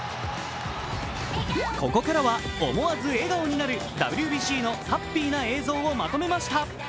ここからは思わず笑顔になるＷＢＣのハッピーな映像をまとめました。